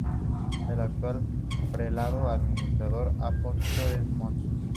El actual prelado, Administrador Apostólico es Mons.